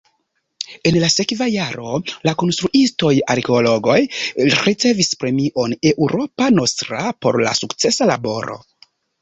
En la sekva jaro la konstruistoj-arkeologoj ricevis premion Europa Nostra por la sukcesa laboro.